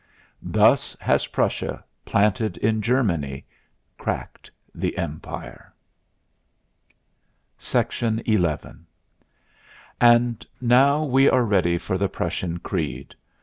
Thus has Prussia, planted in Germany, cracked the Empire. XI And now we are ready for the Prussian Creed.